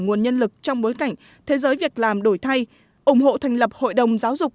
nguồn nhân lực trong bối cảnh thế giới việc làm đổi thay ủng hộ thành lập hội đồng giáo dục